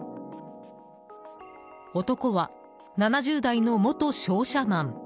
男は７０代の元商社マン。